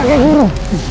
panas kakek guru